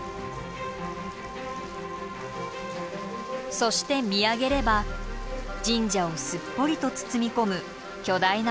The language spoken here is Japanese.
そして見上げれば神社をすっぽりと包み込む巨大な洞窟。